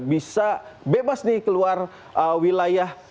bisa bebas dikeluar wilayah